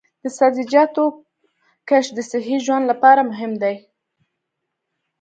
د سبزیجاتو کښت د صحي ژوند لپاره مهم دی.